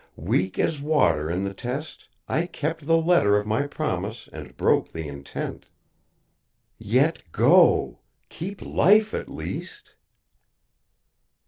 Weak as water in the test, I kept the letter of my promise and broke the intent. Yet go; keep life at least."